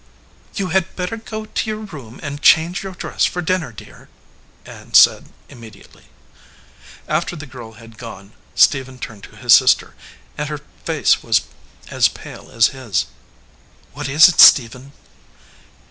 "You had better go to your room and change your dress for dinner, dear," Ann said immedi ately. After the girl had gone Stephen turned to his sister, and her face was as pale as his. "What is it, Stephen?"